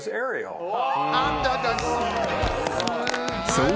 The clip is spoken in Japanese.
［そう。